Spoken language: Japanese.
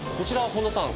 本多さん